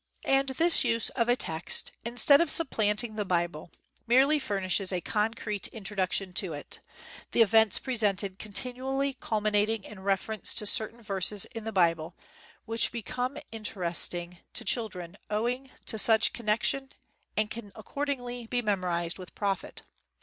And this use of a text, instead of supplant ing the Bible, merely furnishes a concrete introduction to it, the events presented con tinually culminating in reference to certain verses in the Bible, which become interesting xi INTRODUCTION to children owing to such connection and can accordingly be memorized with profit.